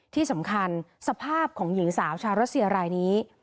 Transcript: ที่สำคัญสภาพของหญิงสาวชาวรัสเซียรายนี้